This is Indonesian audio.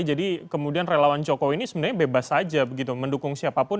jadi kemudian relawan jokowi ini sebenarnya bebas saja mendukung siapapun